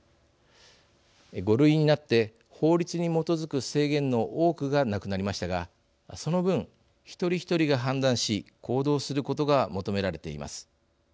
５類になって法律に基づく制限の多くがなくなりましたがその分、一人一人が判断し行動することが求められています。